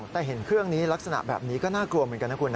แต่เห็นเครื่องนี้ลักษณะแบบนี้ก็น่ากลัวเหมือนกันนะคุณนะ